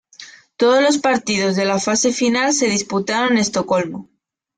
Todos los partidos de la fase final se disputaron en Estocolmo.